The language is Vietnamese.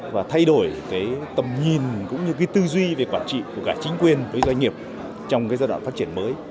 và thay đổi cái tầm nhìn cũng như cái tư duy về quản trị của cả chính quyền với doanh nghiệp trong cái giai đoạn phát triển mới